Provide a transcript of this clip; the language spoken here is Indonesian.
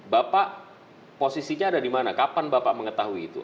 bapak posisinya ada di mana kapan bapak mengetahui itu